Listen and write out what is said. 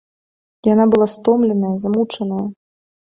Яна была стомленая, змучаная.